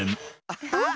アハッ！